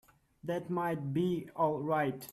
That might be all right.